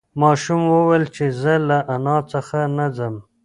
ماشوم وویل چې زه له انا څخه نه ځم.